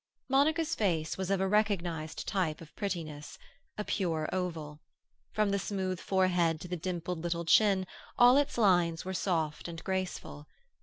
Monica's face was of a recognized type of prettiness; a pure oval; from the smooth forehead to the dimpled little chin all its lines were soft and graceful.